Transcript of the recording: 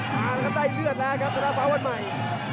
มาแล้วครับได้เลือดแล้วครับธนาฟ้าวันใหม่